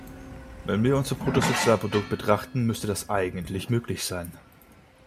Wenn wir unser Bruttosozialprodukt betrachten, müsste das eigentlich möglich sein.